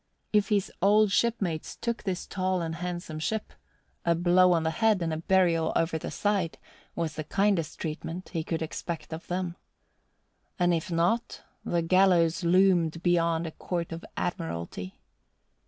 If his old shipmates took this tall and handsome ship, a blow on the head and a burial over the side was the kindest treatment he could expect of them. And if not the gallows loomed beyond a Court of Admiralty.